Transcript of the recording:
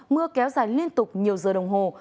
mưa kéo dài liên tục nhiều giờ đồng hồ